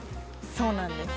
そうなんです。